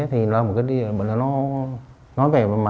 thì nó nói về mặt an ninh